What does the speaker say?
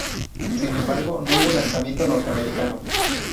Sin embargo, no hubo lanzamiento norteamericano.